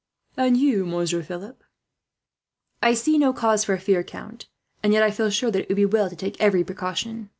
"And you, Monsieur Philip?" "I see no cause for fear, count; and yet, I feel sure that it would be well to take every precaution.